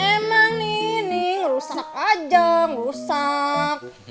emang nih ngerusak aja ngerusak